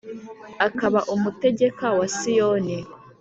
Akaba umutegeka wa siyoni